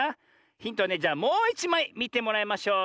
ヒントはねじゃもういちまいみてもらいましょう。